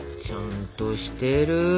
ちゃんとしてる。